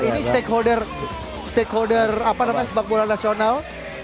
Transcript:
ini stakeholder sepak bola nasional